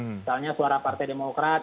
misalnya suara partai demokrat